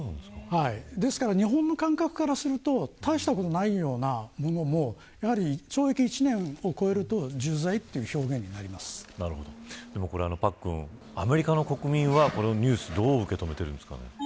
ですから、日本の感覚からすると大したことないようなものも懲役１年を超えると重罪というでも、パックンアメリカの国民はこのニュースをどう受け止めているんですか。